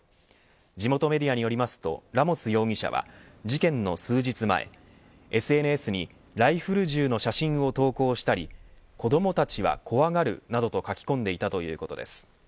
地元メディアによりますとラモス容疑者は、事件の数日前ＳＮＳにライフル銃の写真を投稿したり子どもたちは怖がる、などと書き込んでいたということです。